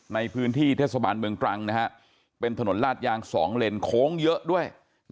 ในพื้นที่เทศบาลเมืองตรังนะฮะเป็นถนนลาดยาง๒เลนโค้งเยอะด้วย